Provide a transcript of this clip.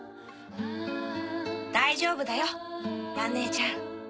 大丈夫だよ蘭ねえちゃん。